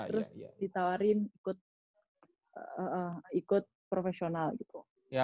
terus ditawarin ikut profesional gitu